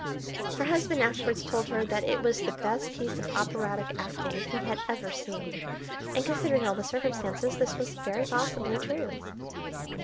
Her husband afterwards told her that it was the best piece of operatic acting he had ever seen, and, considering all the circumstances, this was very possibly true.